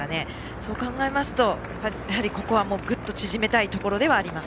そう考えますとここはぐっと縮めたいところです。